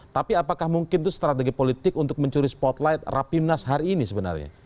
tapi apakah mungkin itu strategi politik untuk mencuri spotlight rapimnas hari ini sebenarnya